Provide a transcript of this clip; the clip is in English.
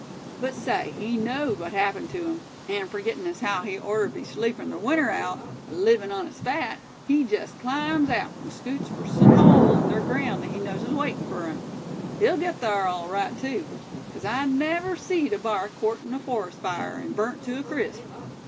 But say, he knowed what'd happen tew him; an' forgettin' as haow he orter be sleepin' ther winter aout, alivin' on his fat, he jest climbs aout, an' scoots fur sum hole in ther ground he knows is awaitin' fur him. He'll git thar, awl rite, too; 'cause I never seed a bar cort in a forest fire, an' burned tew a crisp."